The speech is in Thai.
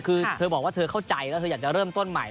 คือเธอบอกว่าเธอเข้าใจแล้วเธออยากจะเริ่มต้นใหม่